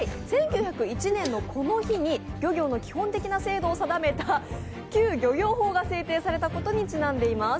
１９０１年のこの日に、漁業の基本的な制度を定めて旧漁業法に制定されたことにちなんでいます。